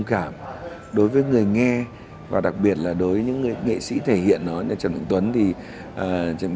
tâm hồn người nghe như được phiêu siêu theo từng giai điệu